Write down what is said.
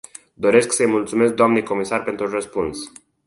Doresc să-i mulțumesc dnei comisar pentru răspuns.